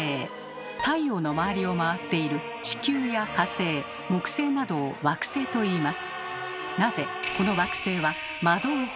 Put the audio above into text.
太陽の周りを回っている地球や火星木星などを「惑星」といいます。